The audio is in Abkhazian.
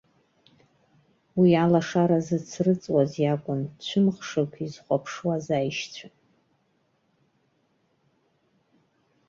Уи алашара зыцрыҵуаз иакәын цәымӷшақә изхәаԥшуаз аишьцәа.